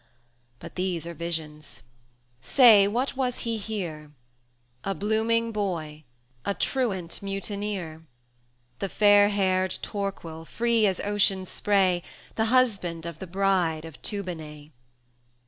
But these are visions; say, what was he here? A blooming boy, a truant mutineer. The fair haired Torquil, free as Ocean's spray, 210 The husband of the bride of Toobonai.